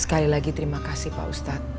sekali lagi terima kasih pak ustadz